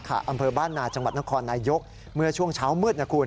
อำเภอบ้านนาจังหวัดนครนายกเมื่อช่วงเช้ามืดนะคุณ